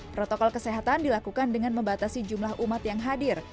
protokol kesehatan dilakukan dengan membatasi jumlah umat yang hadir